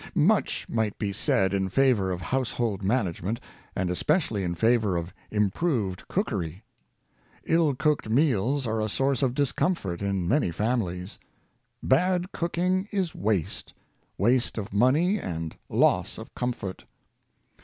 Much might be said in favor of household manage ment, and especially in favor of improved cooker}^ Ill cooked meals are a source of discomfort in many fami lies. Bad cooking is waste — waste of money and loss of comfort.